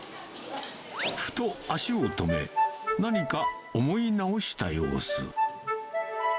ふと、足を止め、何か思い直した様子。